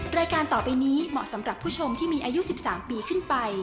รายการต่อไปนี้เหมาะสำหรับผู้ชมที่มีอายุ๑๓ปีขึ้นไป